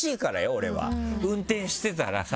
俺は運転してたらさ。